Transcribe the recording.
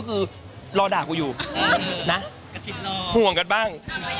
คือเราคุยกัน